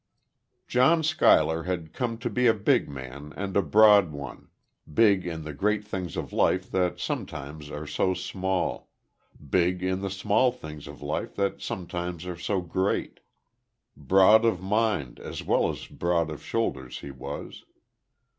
John Schuyler had come to be a big man and a broad one big in the great things of life that sometimes are so small, big in the small things of life that sometimes are so great. Broad of mind, as well as broad of shoulder he was.